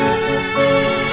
ya udah mbak